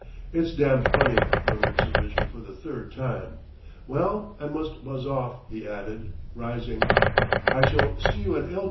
"It's damned funny," murmured Sir Bridgman for the third time. "Well, I must buzz off," he added, rising. "I shall see you at L.